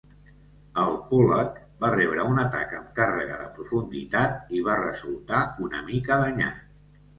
El "Pollack" va rebre un atac amb càrrega de profunditat i va resultar una mica danyat.